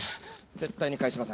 絶対に返しません。